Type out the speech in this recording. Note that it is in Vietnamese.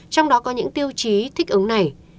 trong đó có những tiêu chí thích ứng này